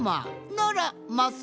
ならます